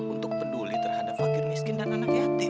untuk peduli terhadap fakir miskin dan anak yatim